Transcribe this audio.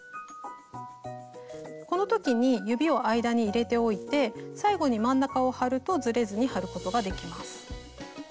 この時に指を間に入れておいて最後に真ん中を貼るとずれずに貼ることができます。